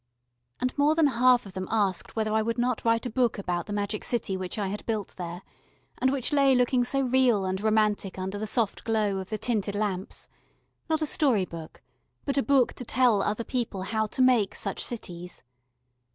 And more than half of them asked whether I would not write a book about the magic city which I had built there, and which lay looking so real and romantic under the soft glow of the tinted lamps: not a story book, but a book to tell other people how to make such cities.